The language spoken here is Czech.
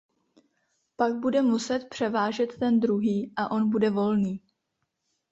Pak bude muset převážet ten druhý a on bude volný.